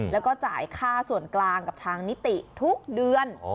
แล้วก็จ่ายค่าส่วนกลางกับทางนิติทุกเดือน